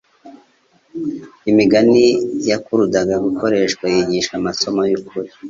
imigani yakurudaga gukoresha yigisha amasomo y'ukuri